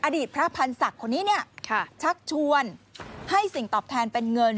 อดีตพระพันธ์ศักดิ์คนนี้ชักชวนให้สิ่งตอบแทนเป็นเงิน